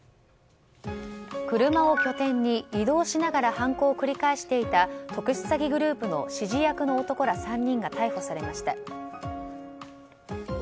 車を拠点に移動しながら犯行を繰り返していた特殊詐欺グループの指示役の男ら３人が逮捕されました。